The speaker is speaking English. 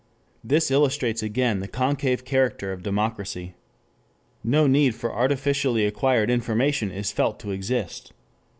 This illustrates again the concave character of democracy. No need for artificially acquired information is felt to exist.